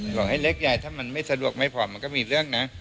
บอกให้เล็กยายถ้ามันไม่สะดวกไม่ผ่อนมันก็มีเรื่องนะ